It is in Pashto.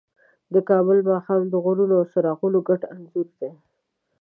د کابل ماښام د غرونو او څراغونو ګډ انځور دی.